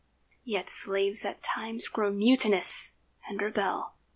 Yet slaves, at times, grow mutinous and rebel.